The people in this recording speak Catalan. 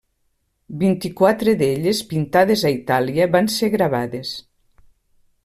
Vint-i-quatre d'elles, pintades a Itàlia, van ser gravades.